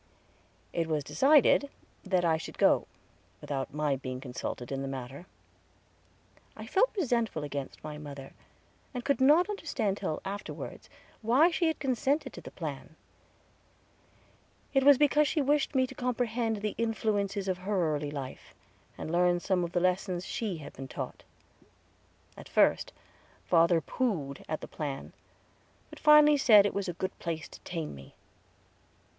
It was decided that I should go, without my being consulted in the matter. I felt resentful against mother, and could not understand till afterward, why she had consented to the plan. It was because she wished me to comprehend the influences of her early life, and learn some of the lessons she had been taught. At first, father "poohed" at the plan, but finally said it was a good place to tame me.